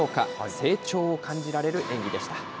成長を感じられる演技でした。